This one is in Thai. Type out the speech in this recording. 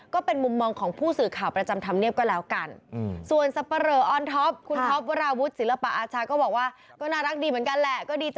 ไม่พูดไม่พูดไม่พูดไม่พูดไม่พูดไม่พูดไม่พูดไม่พูด